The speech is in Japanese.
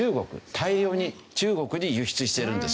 大量に中国に輸出してるんです。